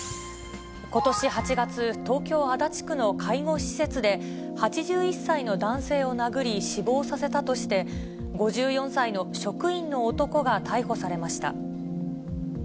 ことし８月、東京・足立区の介護施設で、８１歳の男性を殴り死亡させたとして、５４歳の職員の男が逮捕されました。